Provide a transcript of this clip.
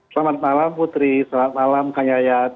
selamat malam putri selamat malam kang yayat